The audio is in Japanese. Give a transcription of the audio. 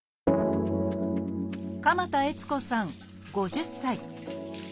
鎌田悦子さん５０歳。